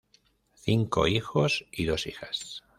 Cinco hijos y dos hijas.